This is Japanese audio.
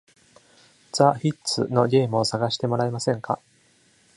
The Hits のゲームを探してもらえませんか？